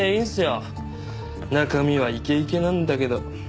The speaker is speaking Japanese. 中身はイケイケなんだけど。